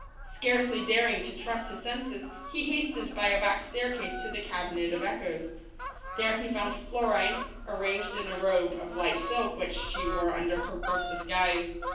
Scarcely daring to trust his THE BLUE BIRD. senses he hastened by a back staircase to the Cabinet of Echoes. I here he found Florine, arrayed in a robe of light silk which she wore under her coarse disguise.